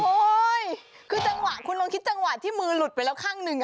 คือจังหวะคุณลองคิดจังหวะที่มือหลุดไปแล้วข้างหนึ่ง